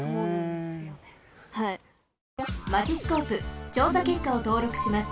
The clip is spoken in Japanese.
マチスコープちょうさけっかをとうろくします。